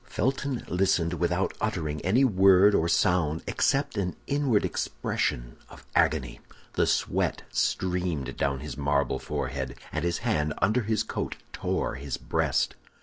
Felton listened without uttering any word or sound, except an inward expression of agony. The sweat streamed down his marble forehead, and his hand, under his coat, tore his breast.